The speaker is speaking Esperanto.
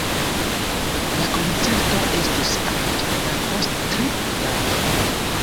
La koncerto estus aranĝata post tri tagoj.